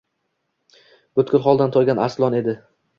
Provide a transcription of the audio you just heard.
Butkul holdan toygan Arslon edi.